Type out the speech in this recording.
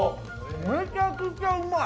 めちゃくちゃうまい！